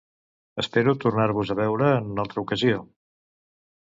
Espero tornar-vos a veure en una altre ocasió.